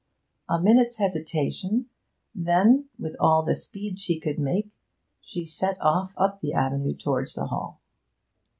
A minute's hesitation, then, with all the speed she could make, she set off up the avenue towards the Hall.